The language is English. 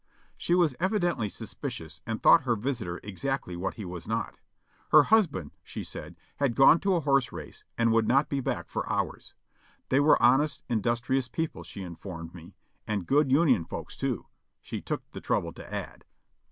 She was evidently suspicious and thought her visitor exactly what he was not. Her husband, she said, had gone to a horse race and would not be back for hours. They were honest, industrious people, she informed me, and "good Union folks, too," she took the trouble to add.